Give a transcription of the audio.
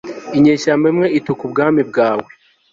Inyeshyamba imwe ituka ubwami bwawe